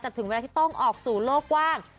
แต่ถึงเวลาที่ต้องออกสู่โลกกว้าง